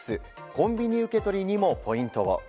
コンビニ受け取りにもポイントを。